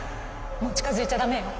もう近づいちゃ駄目よ。